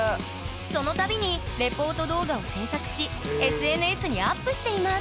その度にレポート動画を制作しＳＮＳにアップしています